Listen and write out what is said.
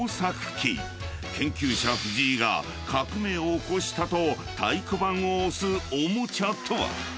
［研究者藤井が革命を起こしたと太鼓判を押すおもちゃとは？］